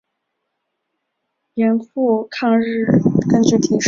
盐阜抗日根据地设。